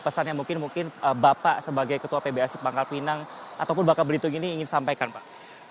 pesannya mungkin mungkin bapak sebagai ketua pbsi pangkal pinang ataupun bangka belitung ini ingin sampaikan pak